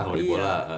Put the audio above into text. kalau di bola